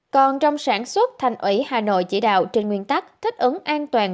còn trong sản xuất thành ủy hà nội chỉ đạo trên nguyên tắc thích ứng an toàn